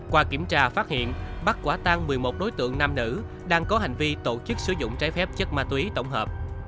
qua kiểm tra phát hiện bắt quả tăng một mươi một đối tượng nam nữ đang có hành vi tổ chức sử dụng trái phép chất ma túy tổng hợp